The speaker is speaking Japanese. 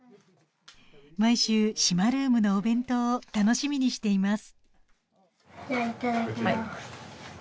毎週しまルームでお弁当を楽しみにしています